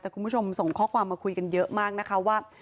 แต่คุณผู้ชมส่งข้อความมาคุยกันเยอะมากนะคะว่า